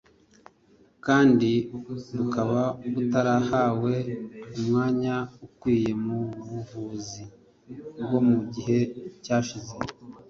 kandi bukaba butarahawe umwanya ukwiye mu buvuzi bwo mu gihe cyashize